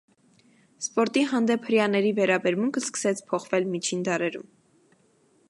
Սպորտի հանդեպ հրեաների վերաբերմունքը սկսեց փոխվել միջին դարերում։